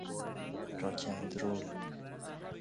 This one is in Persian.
راک اند رول